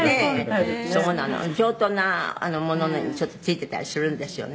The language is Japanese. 「上等なものにちょっと付いてたりするんですよね」